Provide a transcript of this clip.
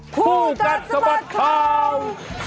ผู้กัดสมัครข้าว